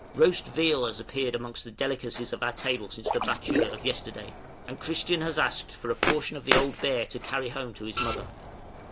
Roast veal has appeared amongst the delicacies of our table since the battue of yesterday, and Christian has asked for a portion of the old bear to carry home to his mother.